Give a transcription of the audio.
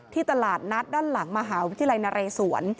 ตลาดนัดด้านหลังมหาวิทยาลัยนเรศวร